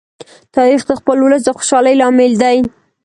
تاریخ د خپل ولس د خوشالۍ لامل دی.